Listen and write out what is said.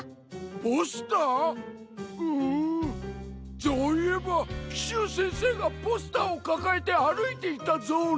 ぞういえばキシュウせんせいがポスターをかかえてあるいていたぞうな。